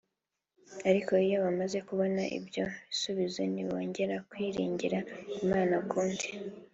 ariko iyo bamaze kubona ibyo bisubizo ntibongera kwiringira Imana ukundi